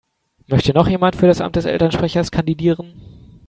Möchte noch jemand für das Amt des Elternsprechers kandidieren?